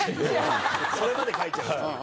それまで書いちゃうっていう。